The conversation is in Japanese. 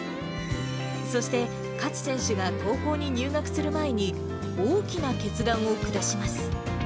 そして勝選手が高校に入学する前に、大きな決断を下します。